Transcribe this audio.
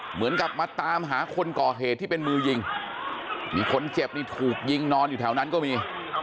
เหมือนกับมาตามหาคนก่อเหตุที่เป็นมือยิงมีคนเจ็บนี่ถูกยิงนอนอยู่แถวนั้นก็มี